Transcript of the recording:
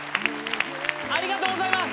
ありがとうございます！